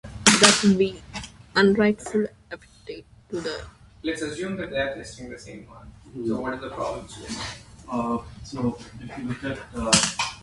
Forgive us the curse that we unrightfully affixed to the Jews' name.